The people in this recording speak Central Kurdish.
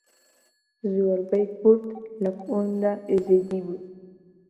زۆربەی کورد لە کۆندا ئێزدی بوون.